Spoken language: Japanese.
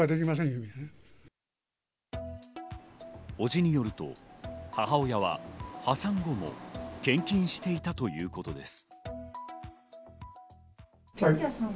伯父によると、母親は破産後も献金していたということです。